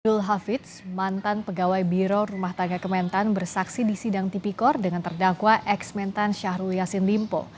dul hafiz mantan pegawai biro rumah tangga kementan bersaksi di sidang tipikor dengan terdakwa ex mentan syahrul yassin limpo